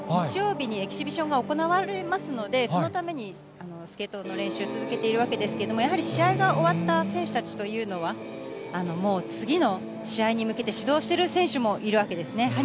日曜日にエキシビションが行われますので、そのためにスケートの練習続けているわけですけれども、やはり試合が終わった選手たちというのは、もう次の試合に向けて始動している選手もいるわけですね。